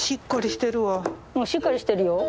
しっかりしてるよ。